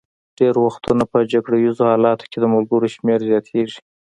ډېری وختونه په جګړه ایزو حالاتو کې د ملګرو شمېر زیاتېږي.